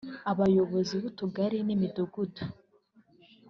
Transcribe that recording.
Abayobozi b’utugari n’imidugudu